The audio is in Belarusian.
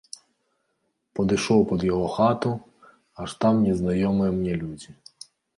Падышоў пад яго хату, аж там незнаёмыя мне людзі.